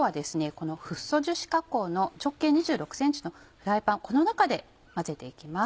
このフッ素樹脂加工の直径２６ｃｍのフライパンこの中で混ぜていきます。